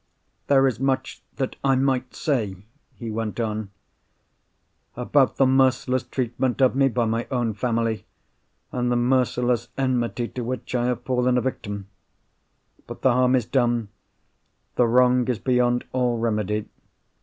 "There is much that I might say," he went on, "about the merciless treatment of me by my own family, and the merciless enmity to which I have fallen a victim. But the harm is done; the wrong is beyond all remedy.